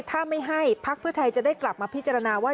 ถ้าไม่ให้พักเพื่อไทยจะได้กลับมาพิจารณาว่า